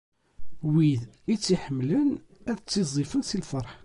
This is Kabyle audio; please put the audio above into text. Wid i tt-iḥemmlen, ad ttiẓẓifen si lferḥ.